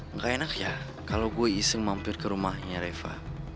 nggak enak ya kalau gue iseng mampir ke rumahnya reva